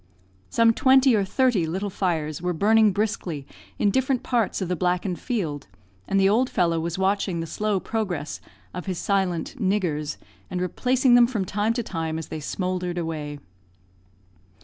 Some twenty or thirty little fires were burning briskly in different parts of the blackened field, and the old fellow was watching the slow progress of his silent "niggers," and replacing them from time to time as they smouldered away.